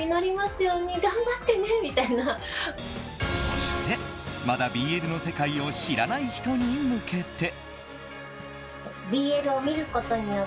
そして、まだＢＬの世界を知らない人に向けて。